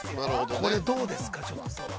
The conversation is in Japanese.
◆これ、どうですか。